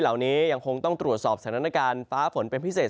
เหล่านี้ยังคงต้องตรวจสอบสถานการณ์ฟ้าฝนเป็นพิเศษ